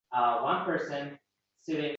Ovozingiz yomon eshitilayapti.